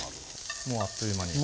もうあっという間に。